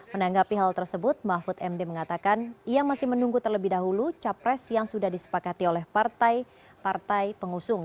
menanggapi hal tersebut mahfud md mengatakan ia masih menunggu terlebih dahulu capres yang sudah disepakati oleh partai partai pengusung